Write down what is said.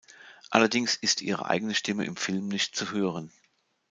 Allerdings ist ihre eigene Stimme im Film nicht zu hören.